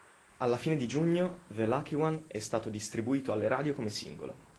Alla fine di giugno, "The Lucky One" è stato distribuito alle radio come singolo.